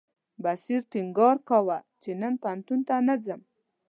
بصیر ټینګار کاوه چې نن پوهنتون ته نه ځم.